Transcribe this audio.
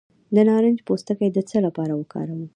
د نارنج پوستکی د څه لپاره وکاروم؟